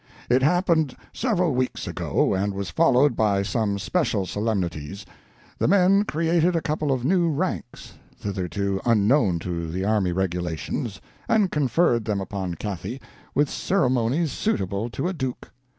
It happened several weeks ago, and was followed by some additional solemnities. The men created a couple of new ranks, thitherto unknown to the army regulations, and conferred them upon Cathy, with ceremonies suitable to a duke.